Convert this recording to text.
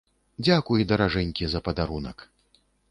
Дзякуй, даражэнькі, за падарунак!